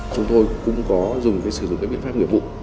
chúng tôi cũng có dùng cái sử dụng cái biện pháp nguyện bụng